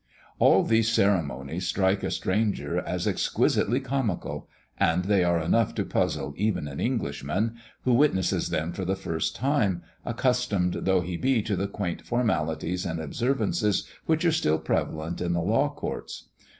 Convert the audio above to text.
All these ceremonies strike a stranger as exquisitely comical; and they are enough to puzzle even an Englishman, who witnesses them for the first time, accustomed though he be to the quaint formalities and observances which are still prevalent in the Law Courts.